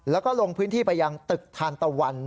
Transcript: แล้วก็ลงพื้นที่ไปยังตึกทานตะวัน